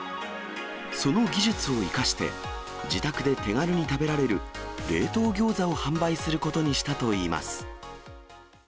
その技術を生かして、自宅で手軽に食べられる冷凍餃子を販売することにしたといいます。